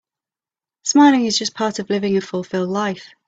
Smiling is just part of living a fulfilled life.